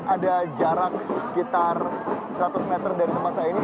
ada jarak sekitar seratus meter dari tempat saya ini